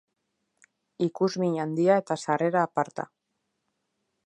Ikusmin handia eta sarrera aparta.